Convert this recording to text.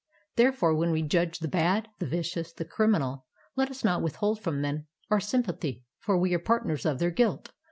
Therefore when we judge the bad, the \icious, the criminal, let us not withhold from them our s}Tnpathy, for we are partners of their guilt."